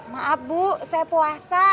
maaf bu saya puasa